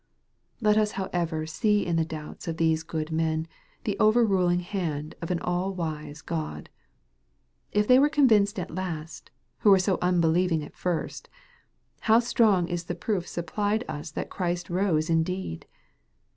Let us however see in the doubts of these good men the over ruling hand of an all wise God. If they were convinced at last, who were so unbelieving at first, how strong is the proof supplied us that Christ rose indeed.